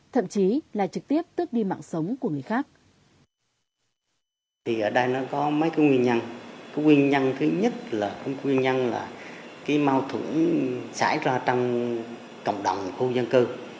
thậm chí là trực tiếp tước đi mạng sống của người khác